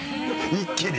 一気に？